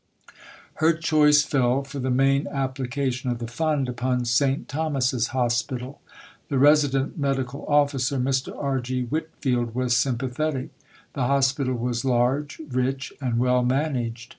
Her choice fell, for the main application of the Fund, upon St. Thomas's Hospital. The Resident Medical Officer, Mr. R. G. Whitfield, was sympathetic. The Hospital was large, rich, and well managed.